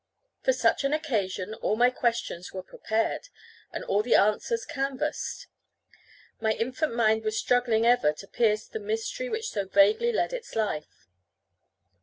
For such an occasion all my questions were prepared, and all the answers canvassed. My infant mind was struggling ever to pierce the mystery which so vaguely led its life.